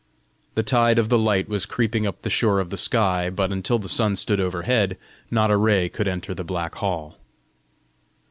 The tide of the light was creeping up the shore of the sky, but until the sun stood overhead, not a ray could enter the black hall.